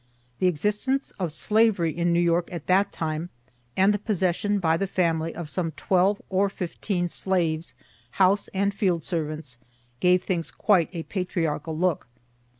The existence of slavery in New York at that time, and the possession by the family of some twelve or fifteen slaves, house and field servants, gave things quite a patriarchial look.